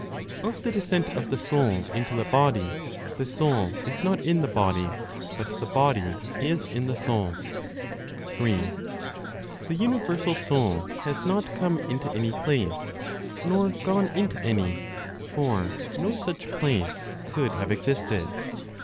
OF THE DESCENT OF THE SOUL INTO THE BODY. THE SOUL IS NOT IN THE BODY; BUT THE BODY IS IN THE SOUL. 3. The universal Soul has not come into any place, nor gone into any; for no such place could have existed.